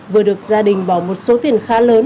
vừa được gia đình bỏ một số tiền khá lớn